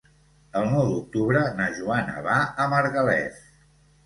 El nou d'octubre na Joana va a Margalef.